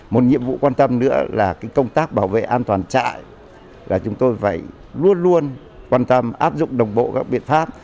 một nhiệm vụ quan tâm nữa là công tác bảo vệ an toàn chạy là chúng tôi phải luôn luôn quan tâm áp dụng đồng bộ các biện pháp